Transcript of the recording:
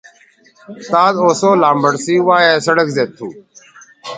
تات اوسو لامبٹ سی وائے سڑک زید تُھو۔